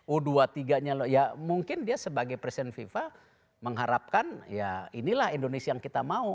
u dua puluh tiga nya ya mungkin dia sebagai presiden fifa mengharapkan ya inilah indonesia yang kita mau